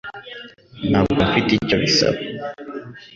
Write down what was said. Ntabwo mfite icyo bisaba